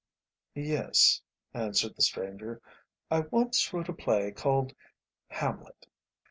"Yes," answered the stranger, "I once wrote a play called 'Hamlet.